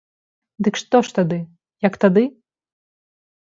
Дык што ж тады, як тады?